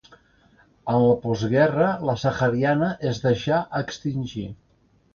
En la postguerra la sahariana es deixà a extingir.